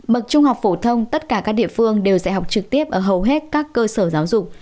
bậc trung học phổ thông tất cả các địa phương đều dạy học trực tiếp ở hầu hết các cơ sở giáo dục